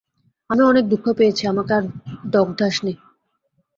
আমি অনেক দুঃখ পেয়েছি, আমাকে আর দগ্ধাস নে।